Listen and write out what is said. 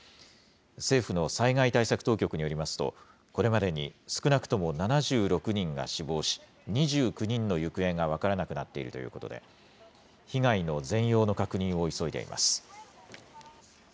政府の災害対策当局によりますと、これまでに少なくとも７６人が死亡し、２９人の行方が分からなくなっているということで、被害の全容の確認を急いでいます。